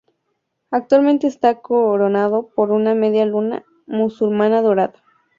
Actualmente está coronada por una media luna musulmana dorada.